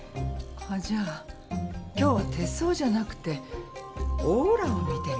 あっじゃあ今日は手相じゃなくてオーラを見てみましょうか。